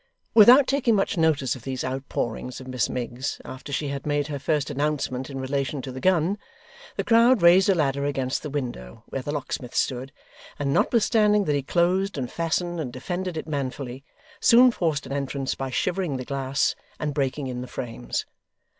Without taking much notice of these outpourings of Miss Miggs after she had made her first announcement in relation to the gun, the crowd raised a ladder against the window where the locksmith stood, and notwithstanding that he closed, and fastened, and defended it manfully, soon forced an entrance by shivering the glass and breaking in the frames.